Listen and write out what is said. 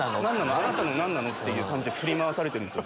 「あなたの何なの？」って感じで振り回されてるんです。